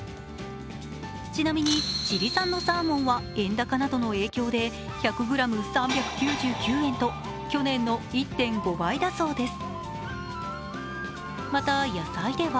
ちなみに、チリ産のサーモンは円高などの影響で１００ｇ３９９円と去年の１．５倍だそうです。